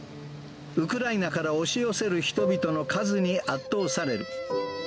ウクライナから押し寄せる人々の数に圧倒される。